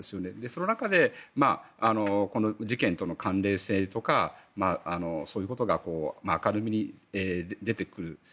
その中でこの事件との関連性とかそういうことが明るみに出てくる。